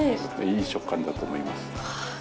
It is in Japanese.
いい食感だと思います。